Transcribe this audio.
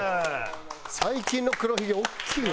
最近の黒ひげ大きいわ。